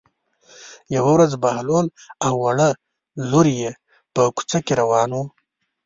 یوه ورځ بهلول او وړه لور یې په کوڅه کې روان وو.